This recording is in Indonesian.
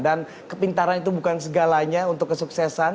dan kepintaran itu bukan segalanya untuk kesuksesan